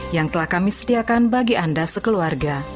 yang telah kami sediakan bagi anda sekeluarga